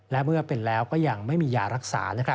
และเมื่อเป็นแล้วก็ยังไม่มียารักษา